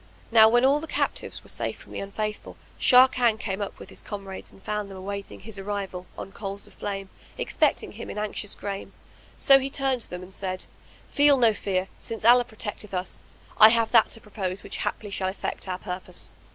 Now when all the captives were safe from the Unfaithful, Sharrkan came up with his comrades, and found them awaiting his arrival, on coals of flame, expecting him in anxious grame, so he turned to them; and said, "Feel no fear since Allah protecteth us. I have that to propose which haply shall effect our purpose."